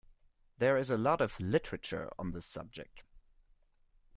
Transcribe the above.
There is a lot of Literature on this subject.